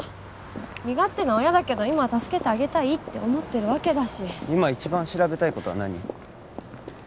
身勝手な親だけど今は助けてあげたいって思ってるわけだし今一番調べたいことは何？